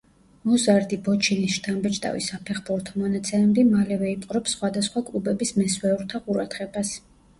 მოზარდი ბოჩინის შთამბეჭდავი საფეხბურთო მონაცემები მალევე იპყრობს სხვადასხვა კლუბების მესვეურთა ყურადღებას.